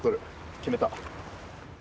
決めた。